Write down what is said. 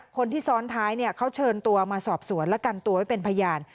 คนที่ซ้อนท้ายเขาเชิญตัวมาสอบสวนและกันตัวไว้เป็นพยาน